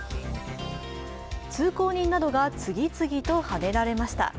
通行人などが次々とはねられました。